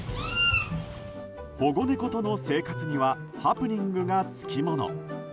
保護猫との生活にはハプニングがつきもの。